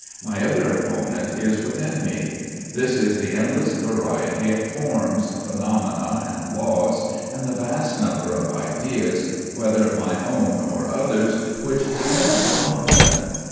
My other opponent is within me. This is the endless variety of forms, phenomena and laws, and the vast number of ideas, whether my own or others', which depend upon them.